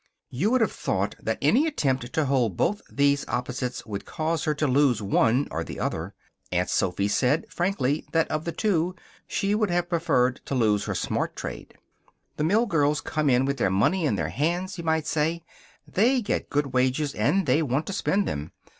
You would have thought that any attempt to hold both these opposites would cause her to lose one or the other. Aunt Sophy said, frankly, that of the two, she would have preferred to lose her smart trade. "The mill girls come in with their money in their hands, you might say. They get good wages and they want to spend them.